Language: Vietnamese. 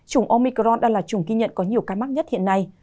chủng omicron đã là chủng ghi nhận có nhiều cái mắc nhất hiện nay